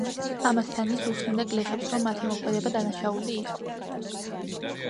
ამასთან ის უხსნიდა გლეხებს, რომ მათი მოქმედება დანაშაული იყო.